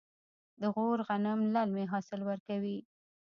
د غور غنم للمي حاصل ورکوي.